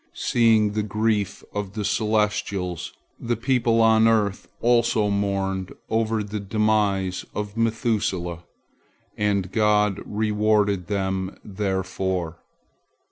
Seeing the grief of the celestials, the people on earth also mourned over the demise of Methuselah, and God rewarded them therefor.